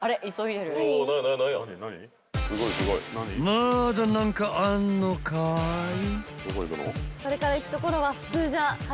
［まだ何かあんのかい？］